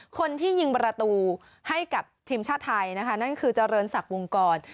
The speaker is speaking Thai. คนที่ยิงประตูให้กับทีมชาติไทยนะคะนั่นคือเจริญศักดิ์วงกร